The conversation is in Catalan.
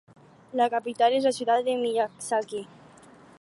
La capital és la ciutat de Miyazaki.